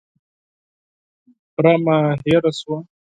بوره مي هېره سوه .